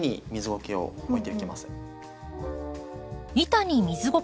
はい。